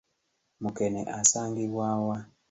Mukene asangibwa wa?